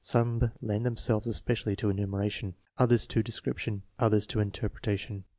Some lend themselves especially to enumeration, others to description, others to interpretation.